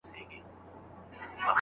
که نه وي خپل پردي، ستا په لمن کې جانانه